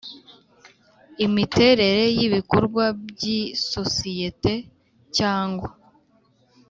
Imiterere y ibikorwa by isosiyete cyangwa